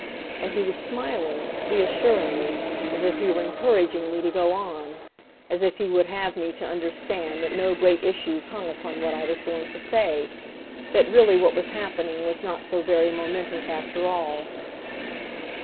And he was smiling, reassuringly, as if he were encouraging me to go on; as if he would have me to understand that no great issues hung upon what I was going to say, that really what was happening was not so very momentous after all.